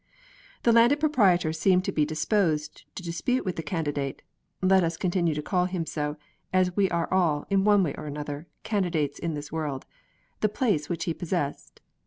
The Landed Proprietor seemed to be disposed to dispute with the Candidate let us continue to call him so, as we are all, in one way or the other, Candidates in this world the place which he possessed.